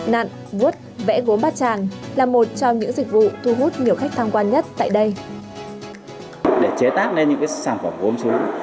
nạn vút vẽ gốm bát tràng là một trong những dịch vụ trải nghiệm làm gốm